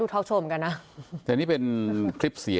พูดเหมือนเดิมคือพูดอะไร